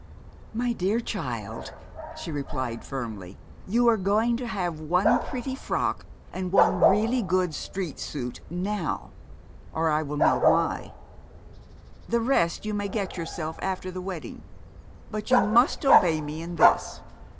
"My dear child," she replied firmly, "you are going to have one pretty frock and one really good street suit now, or I will know why! The rest you may get yourself after the wedding, but you must obey me in this.